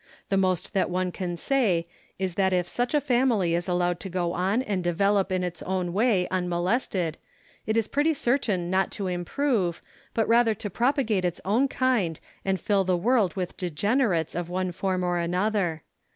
The most that one can say is that if such a family is allowed to go on and develop in its own way unmolested, it is pretty certain not to improve, but rather to propa gate its own kind and fill the world with degenerates of one form or another.